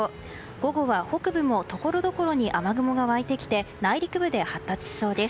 午後は北部もところどころに雨雲が湧いてきて内陸部で発達しそうです。